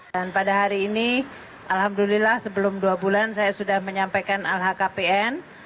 dan pada hari ini alhamdulillah sebelum dua bulan saya sudah menyampaikan lhkpn